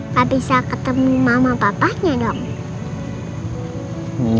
pak bisa ketemu mama papanya dong